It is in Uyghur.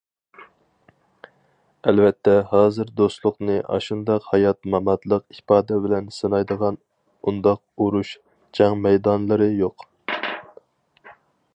ئەلۋەتتە ھازىر دوستلۇقنى ئاشۇنداق ھايات- ماماتلىق ئىپادە بىلەن سىنايدىغان ئۇنداق ئۇرۇش، جەڭ مەيدانلىرى يوق.